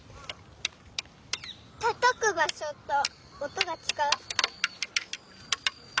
たたくばしょとおとがちがう。